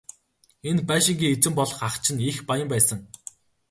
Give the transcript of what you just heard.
Энэ байшингийн эзэн болох ах чинь их баян байсан.